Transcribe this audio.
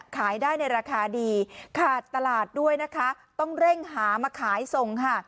ขายได้ในราคาดีขาดตลาดด้วยนะคะต้องเร่งหามาขายส่งค่ะ